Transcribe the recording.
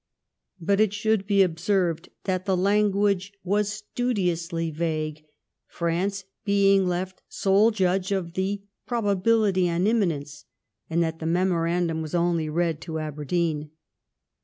But it should be o4>served that the language was studiously vague, France being left sole judge of the " probability and imminence," and that the memorandum was only read to Aberdeen.